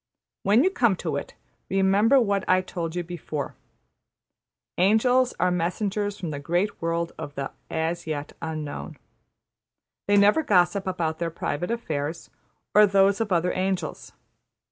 '' When you come to it, remember what I told you before Angels are messengers from the great world of the ``As Yet Unknown.'' They never gossip about their private affairs, or those of other angels.